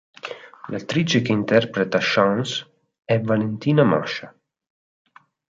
L'attrice che interpreta Chance è Valentina Mascia.